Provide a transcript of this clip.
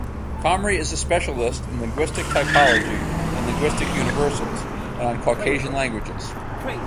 Comrie is a specialist in linguistic typology and linguistic universals, and on Caucasian languages.